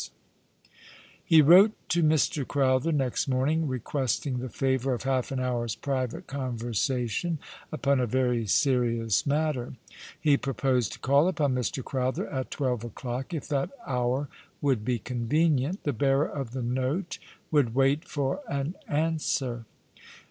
"Say the False Charge was True!' ly^j lie wrote to Mr. Crowtlier next morning, requesting the favour of half an hour's private conversation upon a very serious matter. Ho proposed to call upon Mr. Crowther at twelve o'clock, if that hour would be convenient. The bearer of the note would wait for an answer.